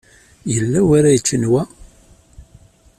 Yella wi ara yeččen wa?